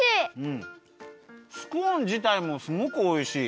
スコーンじたいもすごくおいしい。